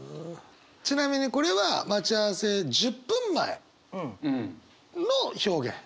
ちなみにこれは待ち合わせ１０分前の表現。